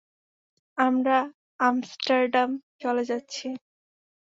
আমরা আমস্টারডাম চলে যাচ্ছি।